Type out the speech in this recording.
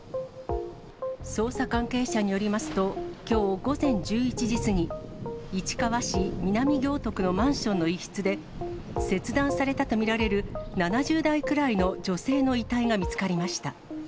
捜査関係者によりますと、きょう午前１１時過ぎ、市川市南行徳のマンションの一室で、切断されたと見られる７０代くらいの女性の遺体が見つかりました。